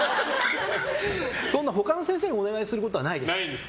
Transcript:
他の先生にお願いすることはないです。